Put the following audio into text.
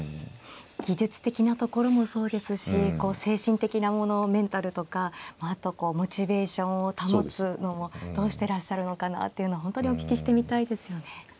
技術的なところもそうですし精神的なものメンタルとかまああとモチベーションを保つのもどうしてらっしゃるのかなっていうのは本当にお聞きしてみたいですよね。